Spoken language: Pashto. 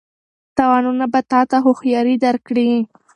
تاوانونه به تا ته هوښیاري درکړي.